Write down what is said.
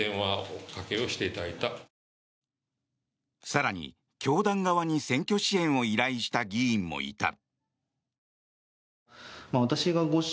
更に教団側に選挙支援を依頼した議員もいた。